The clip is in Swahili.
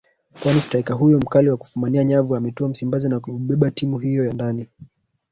kwani straika huyo mkali wa kufumania nyavu ametua Msimbazi na kuibeba timu hiyo ndani